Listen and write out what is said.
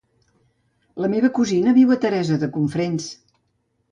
La meva cosina viu a Teresa de Cofrents.